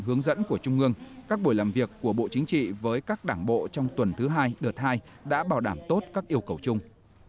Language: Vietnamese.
hướng dẫn của trung ương các buổi làm việc của bộ chính trị với các đảng bộ trong tuần thứ hai đợt hai đã bảo đảm tốt các yêu cầu chung